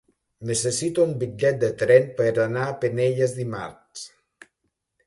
Necessito un bitllet de tren per anar a Penelles dimarts.